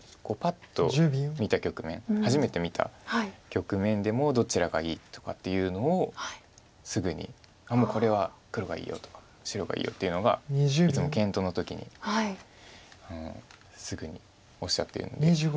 パッと見た局面初めて見た局面でもどちらがいいとかっていうのをすぐに「あっもうこれは黒がいいよ」とか「白がいいよ」っていうのがいつも検討の時にすぐにおっしゃっているので。